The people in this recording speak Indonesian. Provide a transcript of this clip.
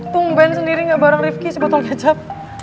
tunggu ben sendiri gak bareng rifki si botol kecap